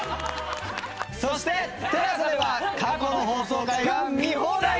そしてＴＥＬＡＳＡでは過去の放送回が見放題です。